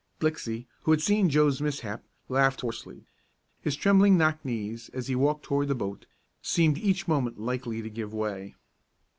Blixey, who had seen Joe's mishap, laughed hoarsely. His trembling knock knees, as he walked toward the boat, seemed each moment likely to give way.